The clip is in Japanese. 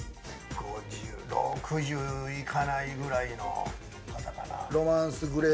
６０いかないくらいの方かな？